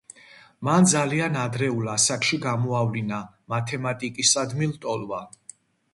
მან ძალიან ადრეულ ასაკში გამოავლინა მათემატიკისადმი ლტოლვა.